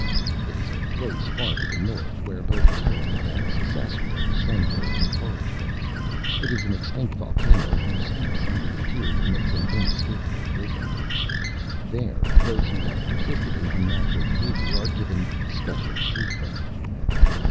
"It is a place far to the north where both Terrans and Ssassarors send their incorrigibles. It is an extinct volcano whose steep sided interior makes an inescapable prison. There those who have persisted in unnatural behavior are given special treatment."